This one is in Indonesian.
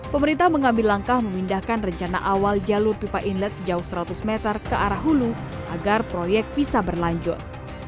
pemerintah mengambil langkah memindahkan rencana awal jalur pipa inlet sejauh seratus meter ke arah hulu agar proyek bisa berlanjut